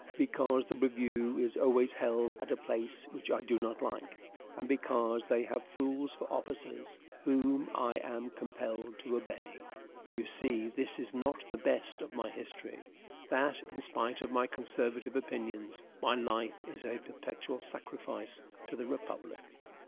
Because the review is always held at a place which I do not like, and because they have fools for officers whom I am compelled to obey. You see, and this is not the best of my history, that, in spite of my conservative opinions, my life is a perpetual sacrifice to the republic.